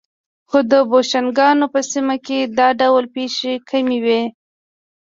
خو د بوشنګانو په سیمه کې دا ډول پېښې کمې وې.